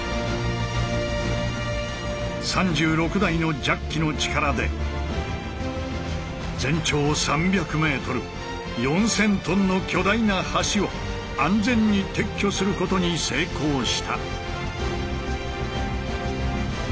３６台のジャッキの力で全長３００ｍ４，０００ｔの巨大な橋を安全に撤去することに成功した。